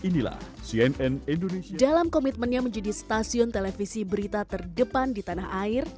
dalam komitmennya menjadi stasiun televisi berita terdepan di tanah air